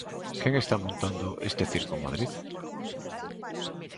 ¿Quen está montando este circo en Madrid?